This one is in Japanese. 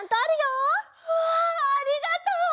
わあありがとう！